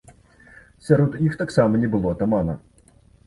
Сярод іх таксама не было атамана.